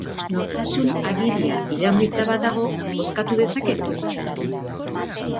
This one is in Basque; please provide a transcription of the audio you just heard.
Nortasun-agiria iraungita badago, bozkatu dezaket?